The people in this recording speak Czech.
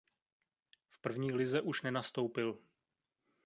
V první lize už nenastoupil.